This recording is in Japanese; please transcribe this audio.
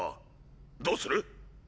どうする？